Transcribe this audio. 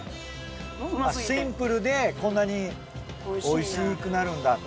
シンプルでこんなにおいしくなるんだと。